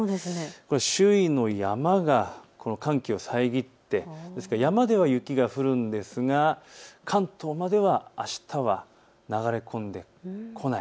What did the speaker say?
これは周囲の山が寒気を遮って、ですから山では雪が降るんですが関東まではあしたは流れ込んでこない。